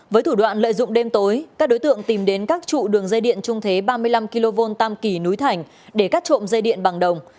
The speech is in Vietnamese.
với thủ đoạn lợi dụng đêm tối các đối tượng tìm đến các trụ đường dây điện trung thế ba mươi năm kv tam kỳ núi thành để cắt trộm dây điện bằng đồng